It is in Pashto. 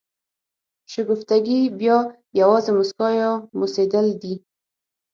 شګفتګي بیا یوازې مسکا یا موسېدل دي.